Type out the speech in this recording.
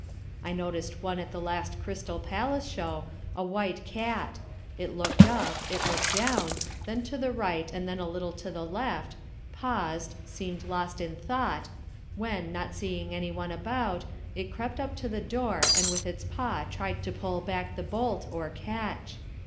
I noticed one at the last Crystal Palace Show, a white cat: it looked up, it looked down, then to the right and then a little to the left, paused, seemed lost in thought, when, not seeing any one about, it crept up to the door, and with its paw tried to pull back the bolt or catch.